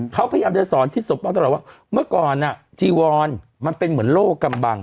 เขาพยายามจะสอนทิศสมปองตลอดว่าเมื่อก่อนจีวอนมันเป็นเหมือนโลกกำบัง